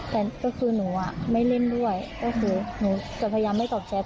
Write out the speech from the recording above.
แต่ก็คือหนูไม่เล่นด้วยก็คือหนูจะพยายามไม่ตอบแชท